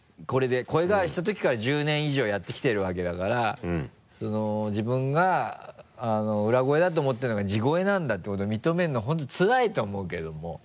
声変わりしたときから１０年以上やってきてる訳だから自分が裏声だと思ってるのが地声なんだってことを認めるの本当つらいと思うけども。